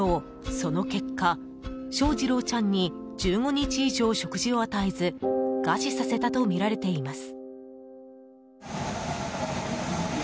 その結果、翔士郎ちゃんに１５日以上食事を与えず餓死させたとみられています。